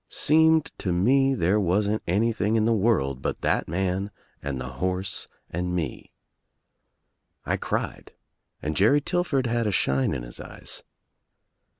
Seemed to me there wasn't anything in the world but that man and the horse and me. I cried and Jerry Tillford had a shine in his eyes.